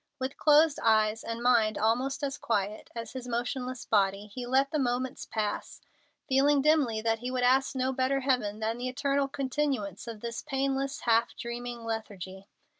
With closed eyes and mind almost as quiet as his motionless body, he let the moments pass, feeling dimly that he would ask no better heaven than the eternal continuance of this painless, half dreaming lethargy.